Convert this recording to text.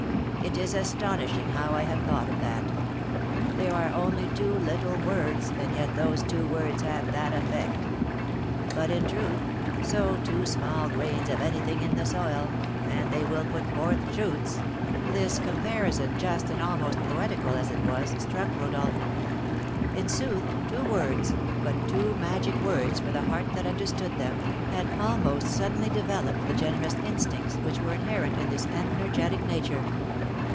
It is astonishing how I have thought of that. They are only two little words, and yet those two words had that effect. But, in truth, sow two small grains of anything in the soil, and they will put forth shoots." This comparison, just and almost poetical as it was, struck Rodolph. In sooth, two words, but two magic words for the heart that understood them, had almost suddenly developed the generous instincts which were inherent in this energetic nature.